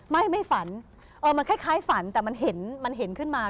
ไม่ฝันมันคล้ายฝันแต่มันเห็นขึ้นมา